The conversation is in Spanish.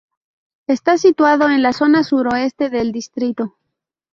Está situado en la zona suroeste del distrito.